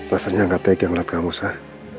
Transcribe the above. rasanya gak tegi ngeliat kamu sah